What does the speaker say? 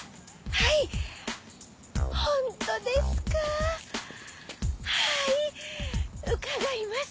はい伺います。